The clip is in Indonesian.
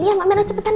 iya mak mirna cepetan